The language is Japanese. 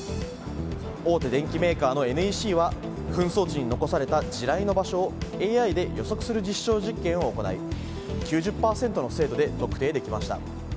大手電機メーカーのＮＥＣは紛争時に残された地雷の場所をＡＩで予測する実証実験を行い９０％の精度で特定できました。